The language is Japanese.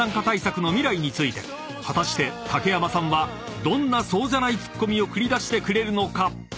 ［果たして竹山さんはどんなそうじゃないツッコミを繰り出してくれるのか？］